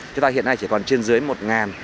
chúng ta hiện nay chỉ còn trên dưới một